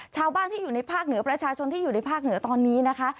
ชาวบ้านที่อยู่ในภาคเหนือประชาชนที่อยู่ในภาคเหนือตอนนี้นะคะ